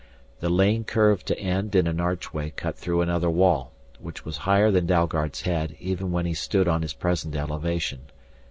The lane curved to end in an archway cut through another wall, which was higher than Dalgard's head even when he stood on his present elevation.